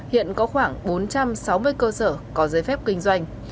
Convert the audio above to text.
hiện có khoảng bốn trăm sáu mươi cơ sở có giới phép kinh doanh